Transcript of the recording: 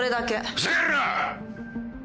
ふざけるな！